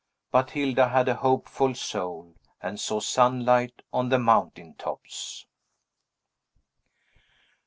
But Hilda had a hopeful soul, and saw sunlight on the mountain tops.